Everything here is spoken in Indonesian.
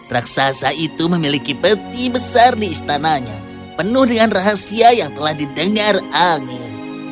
raksasa itu memiliki peti besar di istananya penuh dengan rahasia yang telah didengar angin